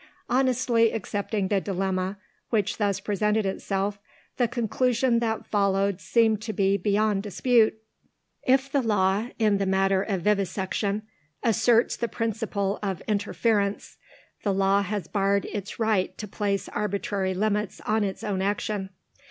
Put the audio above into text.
Honestly accepting the dilemma which thus presented itself, the conclusion that followed seemed to be beyond dispute. If the Law, in the matter of Vivisection, asserts the principle of interference, the Law has barred its right to place arbitrary limits on its own action.